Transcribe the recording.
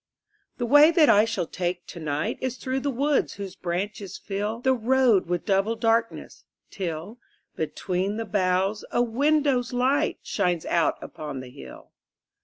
The way that I shall take to night Is through the wood whose branches fill The road with double darkness, till, Between the boughs, a window's light Shines out upon the hill.